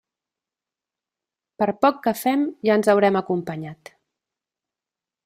Per poc que fem ja ens haurem acompanyat.